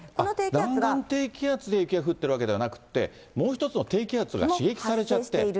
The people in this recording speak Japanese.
南岸低気圧で雪が降ってるわけではなくて、もう１つの低気圧が刺激されちゃって。